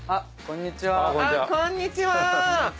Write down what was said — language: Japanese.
こんにちは！